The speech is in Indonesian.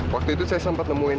waktu itu saya sempat nemuin